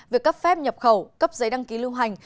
việc cấp phép nhập khẩu cấp giấy đăng ký lưu hành